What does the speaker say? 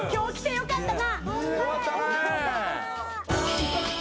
よかったね。